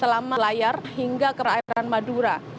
selama layar hingga ke perairan madura